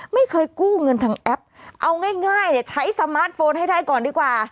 ไม่เคยกู้เงินทางแอปเอาง่ายใช้สมาร์ทโฟนให้ได้ก่อนดีกว่า